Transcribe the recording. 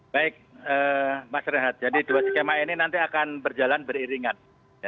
baik mas rehat jadi dua skema ini nanti akan berjalan beriringan